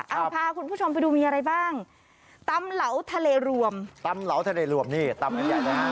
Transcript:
เอาพาคุณผู้ชมไปดูมีอะไรบ้างตำเหลาทะเลรวมตำเหลาทะเลรวมนี่ตำกันใหญ่นะฮะ